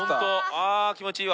あっ気持ちいい。